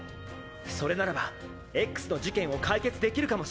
それならば“Ｘ”の事件を解決できるかもしれません。